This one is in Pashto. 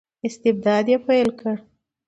استبداد یې پیل کړ.